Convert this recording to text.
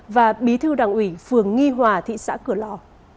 và bí thư đảng ủy phường nghi hòa thị xã cửa lò